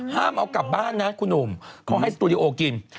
ห้ามเอากลับบ้านนะคุณหนุ่มเขาให้สตูดิโอกิน